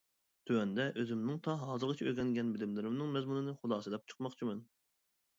تۆۋەندە ئۆزۈمنىڭ تا ھازىرغىچە ئۆگەنگەن بىلىملىرىمنىڭ مەزمۇنىنى خۇلاسىلەپ چىقماقچىمەن.